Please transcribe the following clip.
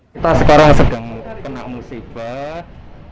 kita sekarang sedang kena musibah